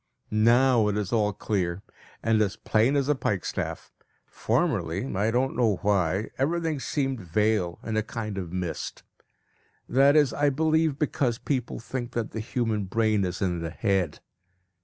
Now it is all clear, and as plain as a pikestaff. Formerly I don't know why everything seemed veiled in a kind of mist. That is, I believe, because people think that the human brain is in the head.